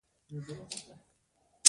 ځواب نه دی ځکه وزنونه مختلف دي.